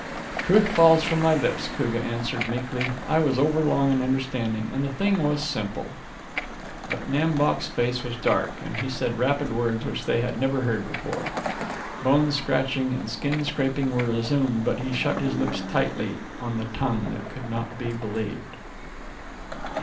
"Truth falls from thy lips," Koogah answered meekly. "I was over long in understanding, and the thing was simple." But Nam Bok's face was dark, and he said rapid words which they had never heard before. Bone scratching and skin scraping were resumed, but he shut his lips tightly on the tongue that could not be believed.